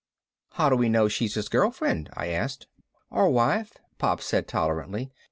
"How do we know she's his girlfriend?" I asked. "Or wife," Pop said tolerantly.